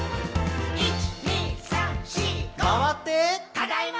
「ただいま！」